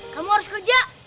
kamu harus kejar